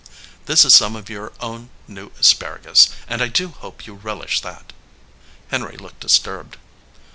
"This is some of your own new asparagus, and I do hope you relish that." Henry looked disturbed.